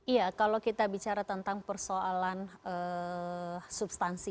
iya kalau kita bicara tentang persoalan substansi